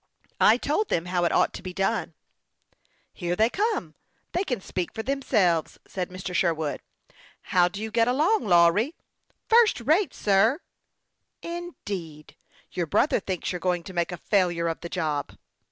I told them how it ought to be done." " Here they come ; they can speak for themselves," said Mr. Sherwood, as the boys landed from the wherry. " How do you get along, Lawry ?"" First rate, sir." " Indeed ! Your brother thinks you are going to make a failure of the job."